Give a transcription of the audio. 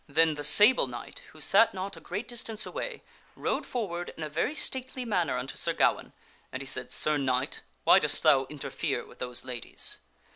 Then the Sable Knight, who sat not a great distance away, rode forward in a very stately manner unto Sir Gawaine, and he said, " Sir Knight, why dost thou interfere with those ladies